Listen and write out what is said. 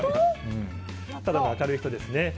ただの明るい人ですね。